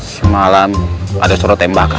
semalam ada suara tembakan